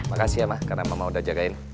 makasih ya mah karena mama udah jagain